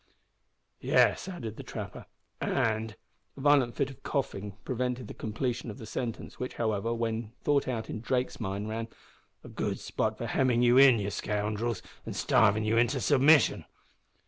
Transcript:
"Yes," added the trapper, "and " A violent fit of coughing prevented the completion of the sentence, which, however, when thought out in Drake's mind ran "a good spot for hemming you and your scoundrels in, and starving you into submission!"